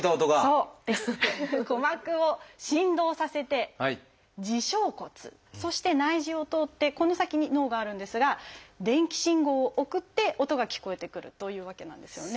鼓膜を振動させて「耳小骨」そして内耳を通ってこの先に脳があるんですが電気信号を送って音が聞こえてくるというわけなんですよね。